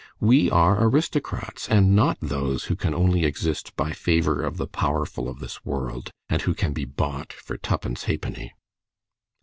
We are aristocrats, and not those who can only exist by favor of the powerful of this world, and who can be bought for twopence halfpenny."